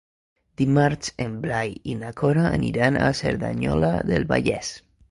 Dimarts en Blai i na Cora aniran a Cerdanyola del Vallès.